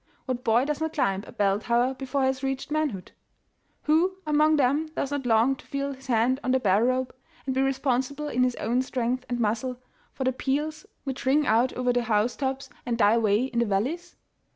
What boy does not climb a bell tower before he has reached manhood? Who among them does not long to feel his hand on the bell rope, and be responsible in his own strength and muscle, for the peals which ring out over the house tops and die away in the valleys?